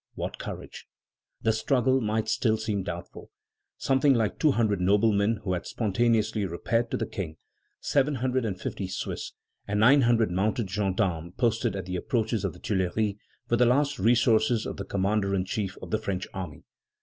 what courage!" The struggle might still seem doubtful. Something like two hundred noblemen who had spontaneously repaired to the King, seven hundred and fifty Swiss, and nine hundred mounted gendarmes posted at the approaches of the Tuileries were the last resources of the commander in chief of the French army.